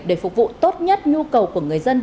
để phục vụ tốt nhất nhu cầu của người dân